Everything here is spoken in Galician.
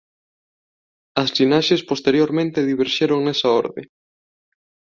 As liñaxes posteriormente diverxeron nesa orde.